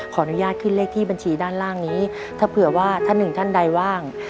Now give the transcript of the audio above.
ขออนุญาตขึ้นเลขที่บัญชีด้านล่างนี้ถ้าเผื่อว่าท่านหนึ่งท่านใดว่าง